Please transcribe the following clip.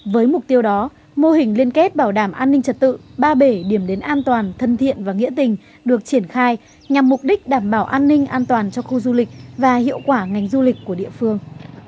với mục tiêu đó mô hình liên kết bảo đảm an ninh trật tự ba bể điểm đến an toàn thân thiện và nghĩa tình được triển khai nhằm mục đích đảm bảo an ninh an toàn cho khu du lịch và hiệu quả ngành du lịch của địa phương